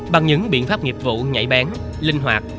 bằng những biện pháp nghiệp vụ nhạy bén linh hoạt